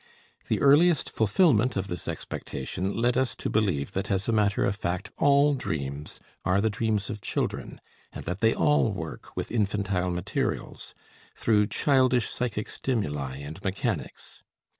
The earliest fulfillment of this expectation led us to believe that as a matter of fact all dreams are the dreams of children and that they all work with infantile materials, through childish psychic stimuli and mechanics.